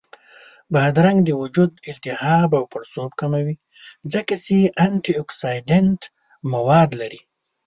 بادرنګ د وجود التهاب او پړسوب کموي، ځکه چې انټياکسیدنټ مواد لري